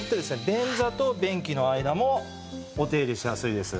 便座と便器の間もお手入れしやすいです。